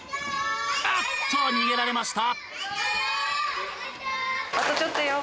あっと逃げられました。